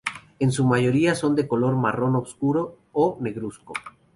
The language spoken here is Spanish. En su mayoría son de color marrón oscuro o negruzco.